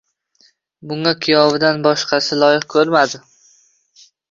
Bunga kuyovidan boshqani loyiq ko'rmadi.